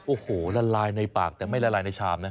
โอ้โหละลายในปากแต่ไม่ละลายในชามนะ